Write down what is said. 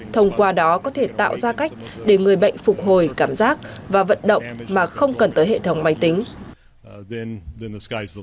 thông qua đó có thể tạo ra cách để người bệnh phục hồi cảm giác và vận động mà không cần tới hệ thống máy tính